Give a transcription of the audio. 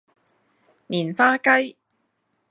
棉花雞